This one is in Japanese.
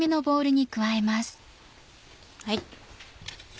はい。